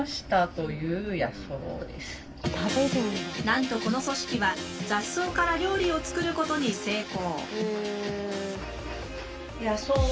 なんとこの組織は雑草から料理を作ることに成功。